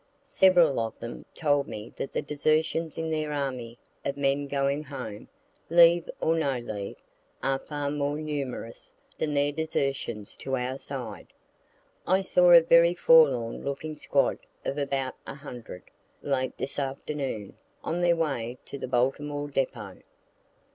Several of them told me that the desertions in their army, of men going home, leave or no leave, are far more numerous than their desertions to our side. I saw a very forlorn looking squad of about a hundred, late this afternoon, on their way to the Baltimore depot.